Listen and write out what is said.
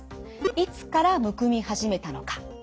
いつからむくみはじめたのか。